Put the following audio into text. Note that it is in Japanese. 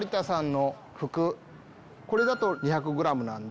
これだと２００ｇなんで。